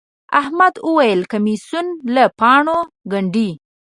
احمد وويل: کمیسونه له پاڼو گنډي.